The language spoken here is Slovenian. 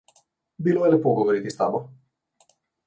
Bilo je lepo govoriti s tabo.